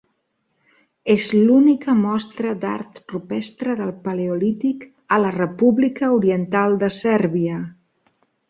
És l'única mostra d'art rupestre del Paleolític a la República Oriental de Sèrbia.